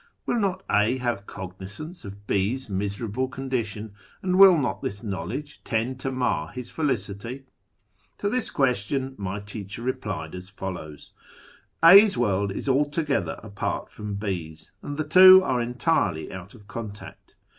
Will not A have cognisance of B's miserable condition, and will not this knowledge tend to mar his felicity ?" To this question my teacher replied as follows :—" A's world is altogether apart from B's, and the two are entirely out of contact.